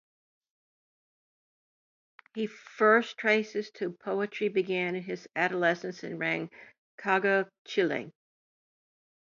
His first traces to poetry began in his adolescence in Rancagua, Chile.